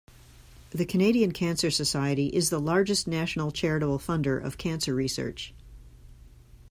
The Canadian Cancer Society is the largest national charitable funder of cancer research.